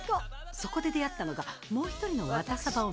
そこで出会ったのがもう一人のワタサバ女